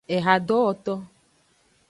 Ehadowoto.